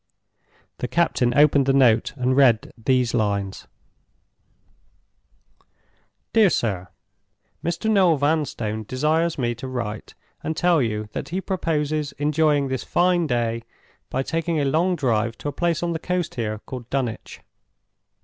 The captain opened the note and read these lines: "DEAR SIR, Mr. Noel Vanstone desires me to write and tell you that he proposes enjoying this fine day by taking a long drive to a place on the coast here called Dunwich.